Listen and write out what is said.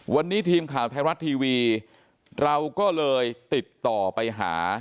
วันนี้ทีมข่าวไทยรัฐทีวีเราก็เลยติดต่อไปหา